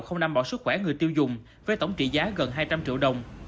không đảm bảo sức khỏe người tiêu dùng với tổng trị giá gần hai trăm linh triệu đồng